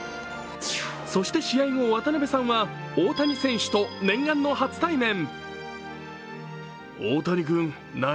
そして試合後、渡辺さんは大谷選手と念願の初対面。